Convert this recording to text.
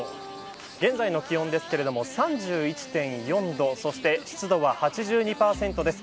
現在の気温ですけれども３１．４度そして湿度は８２％です。